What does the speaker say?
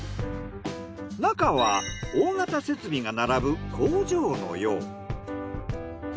中は大型設備が並ぶ工場のよう。